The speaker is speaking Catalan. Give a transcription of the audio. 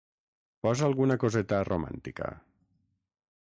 Posa alguna coseta romàntica.